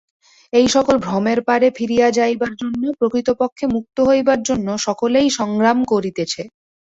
এই-সকল ভ্রমের পারে ফিরিয়া যাইবার জন্য, প্রকৃতপক্ষে মু্ক্ত হইবার জন্য সকলেই সংগ্রাম করিতেছে।